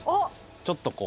ちょっとこう。